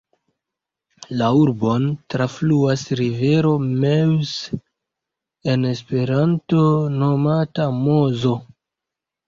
La urbon trafluas rivero Meuse, en Esperanto nomata Mozo.